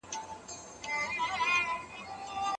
ټولنپوهنه د مینې او ورورولۍ ارزښت بیانوي.